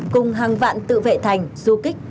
cùng hàng vạn tự vệ thành du kích